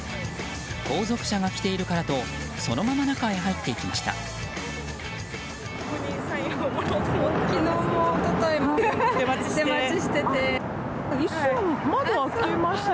後続車が来ているからとそのまま中へ入っていきました。